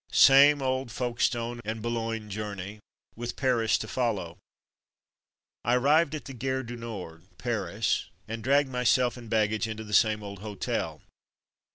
Same old Folkestone and Boulogne journey, with Paris to follow. I arrived at the Gare du Nord, Paris, and dragged myself and baggage into the same old hotel.